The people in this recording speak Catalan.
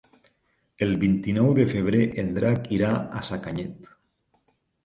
El vint-i-nou de febrer en Drac irà a Sacanyet.